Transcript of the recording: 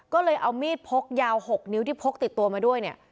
ก็เลยเอามีดพกยาว๖นิ้วที่พกติดตัวมาด้วยเนี่ย